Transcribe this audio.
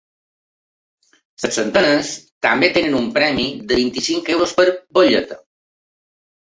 Les centenes també tenen un premi de vint-i-cinc euros per butlleta.